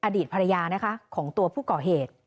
อดีตภรรยานะคะของตัวผู้ก่อเหตุ